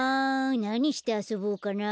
なにしてあそぼうかな？